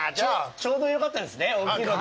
ちょうどよかったですね大きいので。